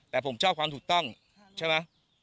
แต่ผมชอบความถูกต้องใช่ไหม